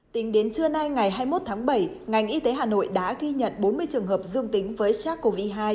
tính đến trưa nay ngày hai mươi một tháng bảy ngành y tế hà nội đã ghi nhận bốn mươi trường hợp dương tính với sars cov hai